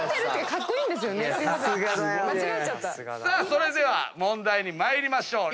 それでは問題に参りましょう。